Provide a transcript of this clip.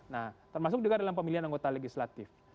nah termasuk juga dalam pemilihan anggota legislatif